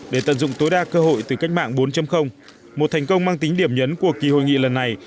để tận dụng tối đa cơ hội từ cách mạng bốn một thành công mang tính điểm nhấn của kỳ hội nghị lần này